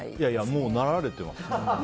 もうなられてますよ。